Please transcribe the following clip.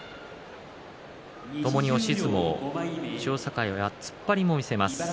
ともに押し相撲千代栄は突っ張りも見せます。